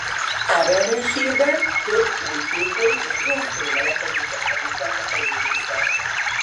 Aberdeenshire-ben több újkőkori és bronzkori leletegyüttesre bukkantak a régészek.